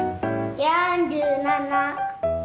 ４７。